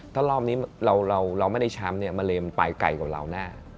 ถ้ารอบนี้เราไม่ได้ช้ำเนี่ยมาเลมปลายไก่กับเราหน้า